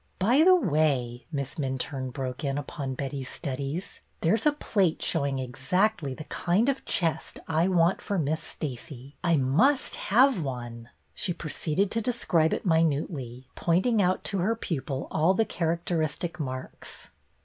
By the way," Miss Minturne broke in upon Betty's studies, '' there 's a plate showing exactly the kind of chest I want for Miss Stacey. I must have one !" She proceeded to describe it minutely, pointing out to her pupil all the char acteristic marks.